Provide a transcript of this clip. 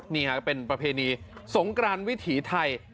นี่ฮะเป็นประเพณีสงกรานวิถีไทย